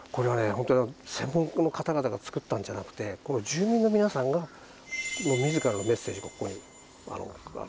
本当に専門家の方々が作ったんじゃなくて住民の皆さんが自らのメッセージをここに。